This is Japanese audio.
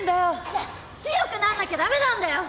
いや強くなんなきゃ駄目なんだよ！